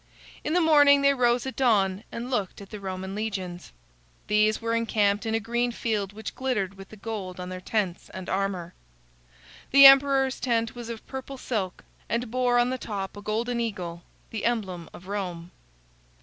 In the morning they rose at dawn and looked at the Roman legions. These were encamped in a green field which glittered with the gold on their tents and armor. The emperor's tent was of purple silk and bore on the top a golden eagle, the emblem of Rome.